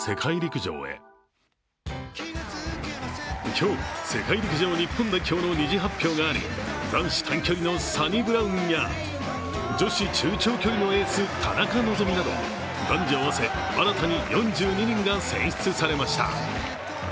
今日、世界陸上日本代表の２次発表があり、男子短距離のサニブラウンや女子中長距離のエース、田中希実など男女合わせ新たに４２人が選出されました。